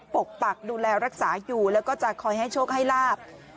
ปกปักดูแลรักษาอยู่แล้วก็จะคอยให้โชคให้ลาบ